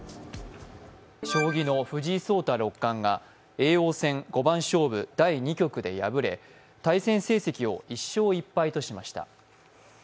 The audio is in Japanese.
将棋の藤井聡太六冠が叡王戦五番勝負第２局で敗れ対戦成績を１勝１敗としました。